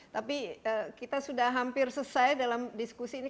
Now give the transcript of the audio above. tapi kita sudah hampir selesai dalam diskusi ini